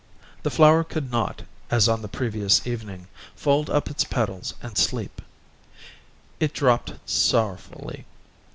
The flower could not, as on the previous evening, fold up its petals and sleep; it dropped sorrowfully.